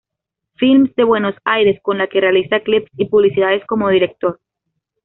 Films" de Buenos Aires con la que realiza clips y publicidades como director.